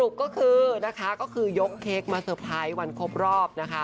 ก็คือนะคะก็คือยกเค้กมาเตอร์ไพรส์วันครบรอบนะคะ